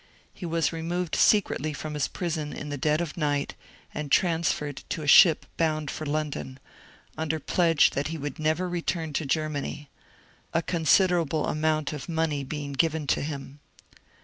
He was removed secretly from his prison in the dead of night and transferred to a ship bound for London, under pledge that he would never return to Ger many, — a considerable amount of money being given to him.